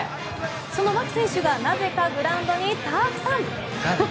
その牧選手がなぜかグラウンドにたくさん。